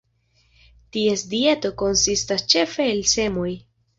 Ties dieto konsistas ĉefe el semoj.